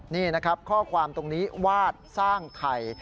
นี่นะครับข้อความตรงนี้วาดสร้างไทย